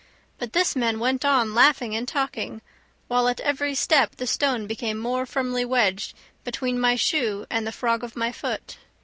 But this man went on laughing and talking, while at every step the stone became more firmly wedged between my shoe and the frog of my foot.